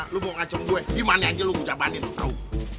lu mau ngacem gue gimana aja lu ujabanin tau